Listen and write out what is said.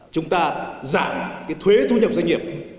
chúng ta giải thuế thu nhập doanh nghiệp